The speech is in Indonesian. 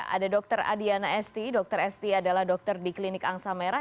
ada dr adiana esti dokter esti adalah dokter di klinik angsa merah